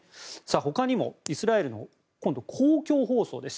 ほかにもイスラエルの今度は公共放送です。